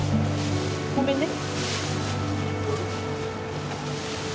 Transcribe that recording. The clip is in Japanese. ごめんね。